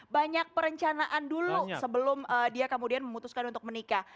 banyak perencanaan dulu sebelum dia kemudian memutuskan untuk menikah